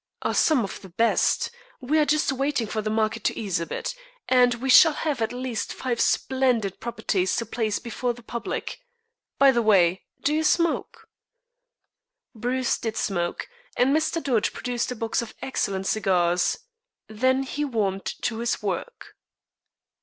"Some of the best. We are just waiting for the market to ease a bit, and we shall have at least five splendid properties to place before the public. By the way, do you smoke?" Bruce did smoke; and Mr. Dodge produced a box of excellent cigars. Then he warmed to his work.